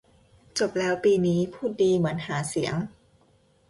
จบแล้ว ปีนี้พูดดีเหมือนหาเสียง